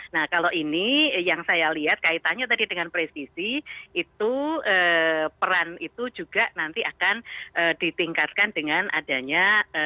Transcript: nah kalau ini yang saya lihat kaitannya tadi dengan presisi itu peran itu juga nanti akan ditingkatkan dengan adanya